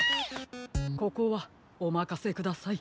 ここはおまかせください。